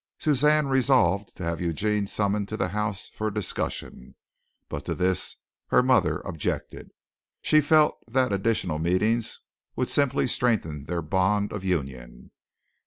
Suzanne resolved to have Eugene summoned to the house for a discussion, but to this her mother objected. She felt that additional meetings would simply strengthen their bond of union.